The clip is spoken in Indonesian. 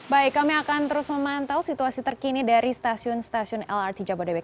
baik kami akan terus memantau situasi terkini dari stasiun stasiun lrt jabodebek